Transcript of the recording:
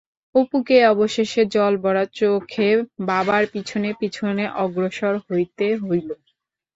অপুকে অবশেষে জল-ভরা চোখে বাবার পিছনে পিছনে অগ্রসর হইতে হইল।